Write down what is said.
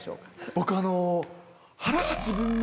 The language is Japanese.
僕あの。